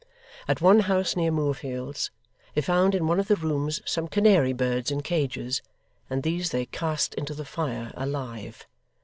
At one house near Moorfields, they found in one of the rooms some canary birds in cages, and these they cast into the fire alive.